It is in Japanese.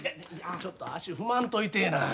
ちょっと足踏まんといてえな。